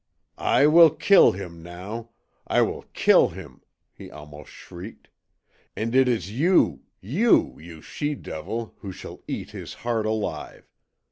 "I will kill him, now; I will KILL him!" he almost shrieked. "And it is YOU YOU you she devil! who shall eat his heart alive!